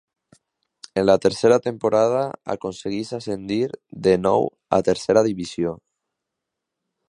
En la tercera temporada aconsegueix ascendir de nou a tercera divisió.